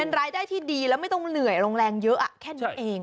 รายได้ที่ดีแล้วไม่ต้องเหนื่อยลงแรงเยอะแค่นี้เอง